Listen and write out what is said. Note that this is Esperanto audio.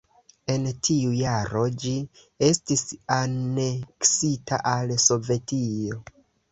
En tiu jaro ĝi estis aneksita al Sovetio.